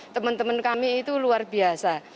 teman teman kami itu luar biasa